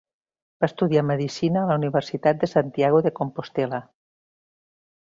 Va estudiar medicina a la Universitat de Santiago de Compostel·la.